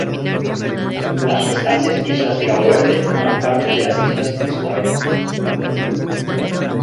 Las restantes islas de Cabo Verde forman parte de las islas de Sotavento.